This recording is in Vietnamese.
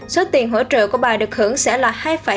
số tiền hỗ trợ của bà được hưởng sẽ là